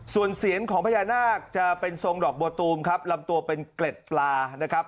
ส่วนเสียนของพญานาคจะเป็นทรงดอกบัวตูมครับลำตัวเป็นเกล็ดปลานะครับ